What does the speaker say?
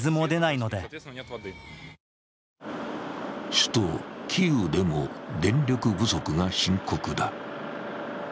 首都キーウでも電力不足が深刻だ。